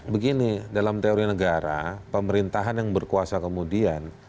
begini dalam teori negara pemerintahan yang berkuasa kemudian